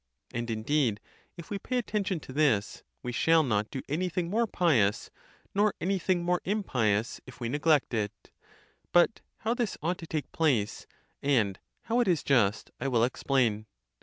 And indeed, if we pay attention to this, we shall not do any thing more pious ; nor any thing more impious, if we neglect it. But how this ought to take place, and how it is just, I will explain.